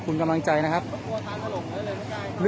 มันก็ไม่ต่างจากที่นี่นะครับ